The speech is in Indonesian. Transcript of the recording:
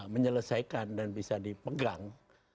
menyelesaikan dan bisa dipegang